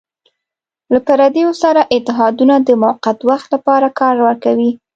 له پردیو سره اتحادونه د موقت وخت لپاره کار ورکوي.